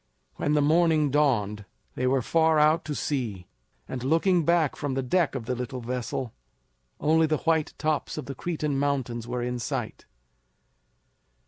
When the morning dawned they were far out to sea, and, looking back from the deck of the little vessel, only the white tops of the Cretan mountains were in sight.